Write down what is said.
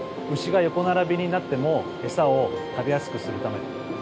牛が横並びになってもエサを食べやすくするため。